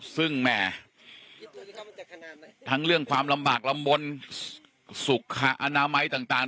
ซึ่งแหม่ทั้งเรื่องความลำบากลำบลสุขอนามัยต่าง